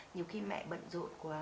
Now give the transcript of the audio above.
nhiều khi mẹ bận rộn quá